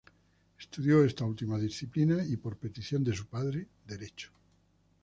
Estudió esta última disciplina y, por petición de su padre, Derecho.